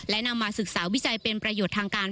และนำมาศึกษาวิจัยเป็นประโยชน์ทางการ